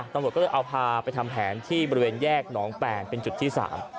ตำรวจก็เลยเอาพาไปทำแผนที่บริเวณแยกหนองแปนเป็นจุดที่สาม